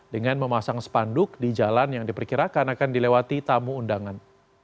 dengan memasang spanduk di jalan yang diperkirakan akan dilewati tamu undangan